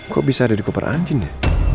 kok bisa ada di kopernya anjin ya